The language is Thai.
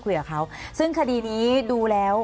คุยกับเขาซึ่งคดีนี้ดูแล้ว